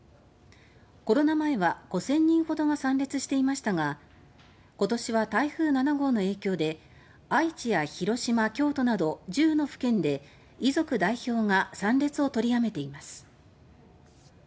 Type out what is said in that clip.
コロナ前は５０００人ほどが参列していましたが今年は台風７号の影響で交通機関の乱れが予想されたため愛知や広島、京都など１０の府県で遺族代表が参列を取りやめています。